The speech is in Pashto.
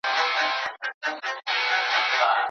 شریف د خپل پلار له ستړي لید څخه د هغه زړه ولوست.